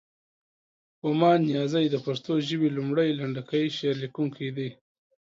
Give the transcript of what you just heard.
ومان نیازی د پښتو ژبې لومړی، لنډکی شعر لیکونکی دی.